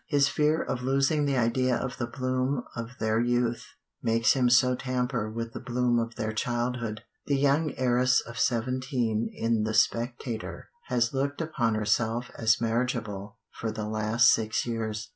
His fear of losing the idea of the bloom of their youth makes him so tamper with the bloom of their childhood. The young heiress of seventeen in the Spectator has looked upon herself as marriageable "for the last six years."